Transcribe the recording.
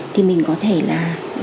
thì mình có thể là